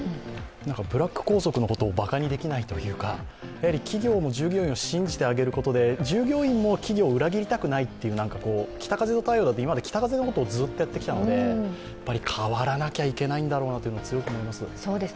ブラック校則のことをばかにできないというかやはり企業も従業員を信じてあげることで従業員も企業を裏切りたくないという、北風と太陽で、北風のことを今までずっとやってきたので変わらなきゃいけないんだろうなと強く思います。